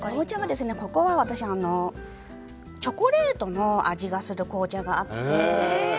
ここはチョコレートの味がする紅茶があって。